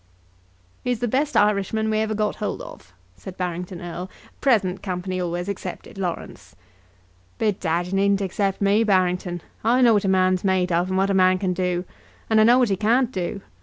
"He's the best Irishman we ever got hold of," said Barrington Erle "present company always excepted, Laurence." "Bedad, you needn't except me, Barrington. I know what a man's made of, and what a man can do. And I know what he can't do.